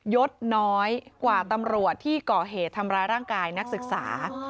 ยดน้อยกว่าตำรวจที่ก่อเหตุทำร้ายร่างกายนักศึกษา